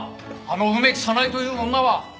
あの梅木早苗という女は。